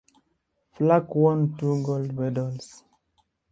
Flack won two gold medals.